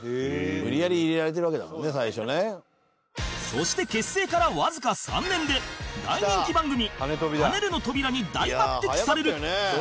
そして結成からわずか３年で大人気番組『はねるのトびら』に大抜擢される